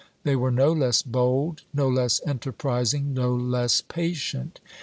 They were no less bold, no less enterprising, no less patient.